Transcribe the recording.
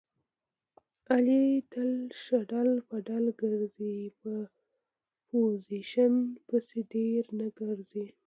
علي تل شډل بډل ګرځي. په پوزیشن پسې ډېر نه ګرځي.